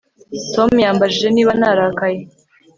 Tom yambajije niba narakaye